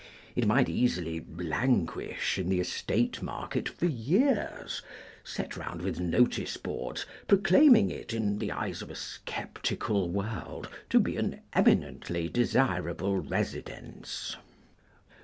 It might easily languish in the estate market for years, set round with noticeboards proclaiming it, in the eyes of a sceptical world, to be an eminently desirable residence.